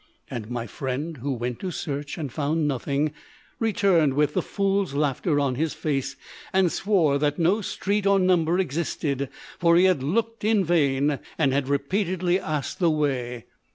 And my friend, who went to search and found nothing, returned with the fool's laughter on his face, and swore that no street or number existed, for he had looked in vain, and had repeatedly asked the way.